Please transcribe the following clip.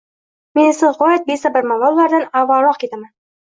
Men esa g`oyat besabrman va ulardan avvalroqketaman